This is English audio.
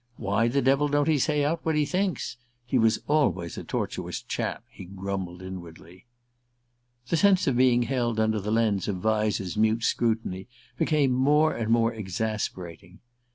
"Why the devil don't he say out what he thinks? He was always a tortuous chap," he grumbled inwardly. The sense of being held under the lens of Vyse's mute scrutiny became more and more exasperating.